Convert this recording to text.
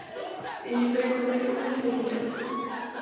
En efecto, es despedida.